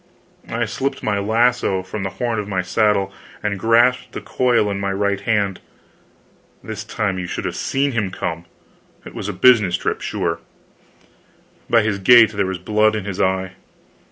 I slipped my lasso from the horn of my saddle, and grasped the coil in my right hand. This time you should have seen him come! it was a business trip, sure; by his gait there was blood in his eye.